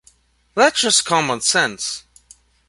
That's just common sense.